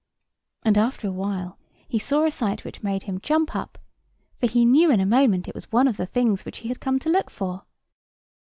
And after a while he saw a sight which made him jump up; for he knew in a moment it was one of the things which he had come to look for.